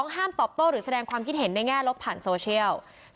ห้ามตอบโต้หรือแสดงความคิดเห็นในแง่ลบผ่านโซเชียล